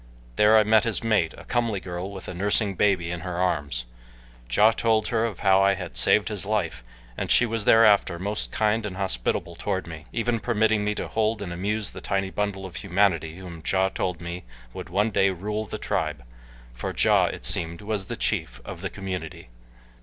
There I met his mate, a comely girl with a nursing baby in her arms. Ja told her of how I had saved his life, and she was thereafter most kind and hospitable toward me, even permitting me to hold and amuse the tiny bundle of humanity whom Ja told me would one day rule the tribe, for Ja, it seemed, was the chief of the community.